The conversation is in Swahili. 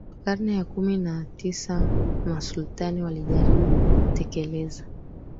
wa karne ya kumi na tisa Masultani walijaribu kutekeleza